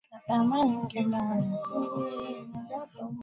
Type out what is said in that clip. Baada ya kuendelea kufanya utafiti mwaka elfumbili na sita